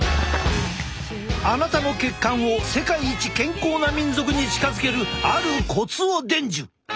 あなたの血管を世界一健康な民族に近づけるあるコツを伝授！